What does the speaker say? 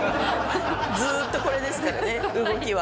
ずーっとこれですからね動きは。